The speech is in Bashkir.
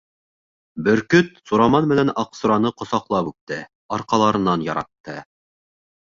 Бөркөт Сураман менән Аҡсураны ҡосаҡлап үпте, арҡаларынан яратты.